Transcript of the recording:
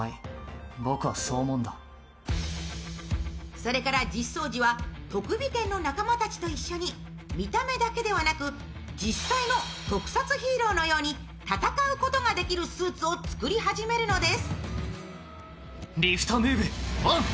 それから実相寺は特美研の仲間たちと一緒に見た目だけではなく、実際の特撮ヒーローのように戦うことができるスーツを作り始めるのです。